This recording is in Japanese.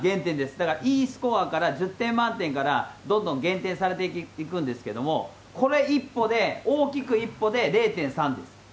だからＥスコアから１０点満点からどんどん減点されていくんですけれども、これ１歩で大きく一歩で０．３です。